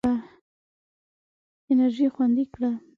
انرژي خوندي کړه.